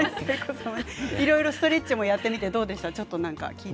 いろいろストレッチをやってみてどうですか？